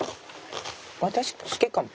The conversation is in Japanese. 私好きかも。